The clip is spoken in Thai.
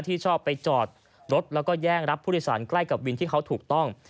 ที่ชอบไปจอดรถแล้วก็แย่งรับผู้โดยสารใกล้กับวินที่เขาถูกต้อง